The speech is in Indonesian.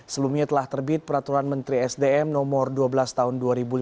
sebelumnya telah terbit peraturan menteri sdm nomor dua belas tahun dua ribu lima belas